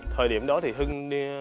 thời điểm đó thì hưng